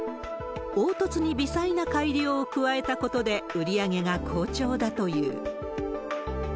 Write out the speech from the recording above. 凹凸に微細な改良を加えたことで、売り上げが好調だという。